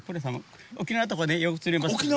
沖縄とかでよく釣れますけど。